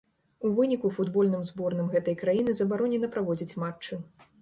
У выніку футбольным зборным гэтай краіны забаронена праводзіць матчы.